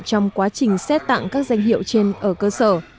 trong quá trình xét tặng các danh hiệu trên ở cơ sở